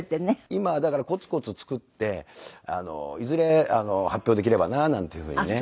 今はだからコツコツ作っていずれ発表できればななんていうふうにね。